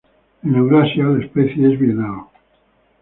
En Eurasia, la especie es bienal.